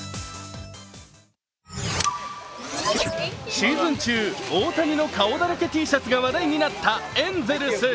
シーズン中、大谷の顔だらけＴシャツが話題になったエンゼルス。